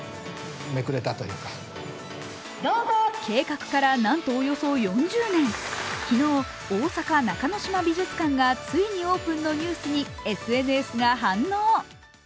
計画からなんとおよそ４０年、昨日、大阪中之島美術館がついにオープンのニュースにＳＮＳが反応。